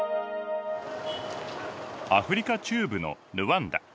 アフリカ中部のルワンダ。